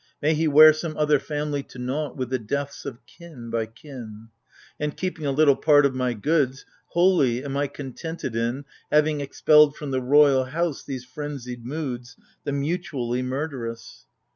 May he wear some other family To nought, with the deaths of kin by kin ! And, — keeping a little part of my goods, — Wholly am I contented in Having expelled from the royal House These frenzied moods The mutually murderous.